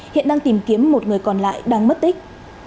hiện đang tìm kiếm một người còn lại đang mất tích